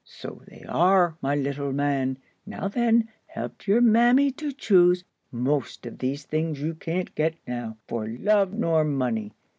"So they are, my little man. Now then, help your mammy to choose. Most of these is things you can't get now, for love nor money.